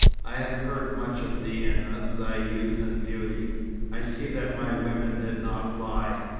I have heard much of thee and of thy youth and beauty. I see that my women did not lie.